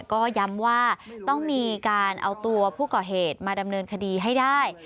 ก็ย้ำว่าต้องมีการเอาตัวผู้ก่อเหตุมาดำเนินคดีให้ได้